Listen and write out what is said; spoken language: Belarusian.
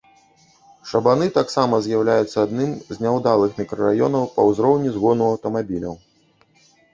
Шабаны таксама з'яўляюцца адным з няўдалых мікрараёнаў па ўзроўні згону аўтамабіляў.